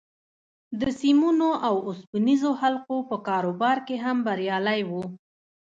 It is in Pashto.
د سيمونو او اوسپنيزو حلقو په کاروبار کې هم بريالی و.